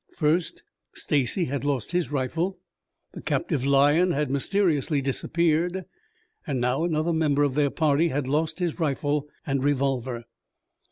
First, Stacy had lost his rifle, the captive lion had mysteriously disappeared, and now another member of their party had lost his rifle and revolver.